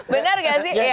benar gak sih